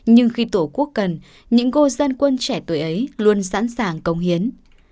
nhưng khi tổ quốc cần những cô dân quân trẻ tuổi ấy luôn sẵn sàng công hiến